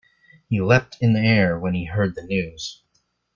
He leapt in the air when he heard the news.